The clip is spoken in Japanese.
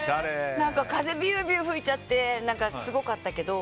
風がびゅーびゅー吹いちゃってすごかったけど。